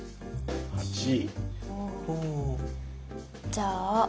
じゃあ。